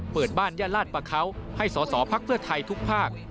เปิดบ้านย่านลาดประเขาให้สอสอพักเพื่อไทยทุกภาค